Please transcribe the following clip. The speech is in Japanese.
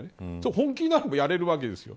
本気になればやれるわけですよ。